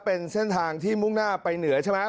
เป็นเส้นทางที่มุ่งหน้าไปเหนือใช่ไหม